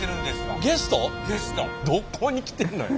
どこに来てんのよ。